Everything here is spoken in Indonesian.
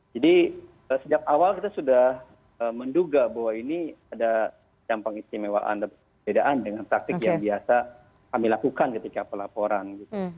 jadi sejak awal kita sudah menduga bahwa ini ada campang istimewaan dan perbedaan dengan taktik yang biasa kami lakukan ketika pelaporan gitu